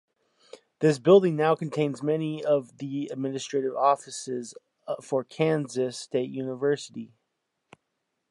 This building now contains many of the administrative offices for Kansas State University.